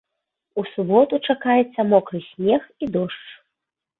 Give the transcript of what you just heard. У суботу чакаецца мокры снег і дождж.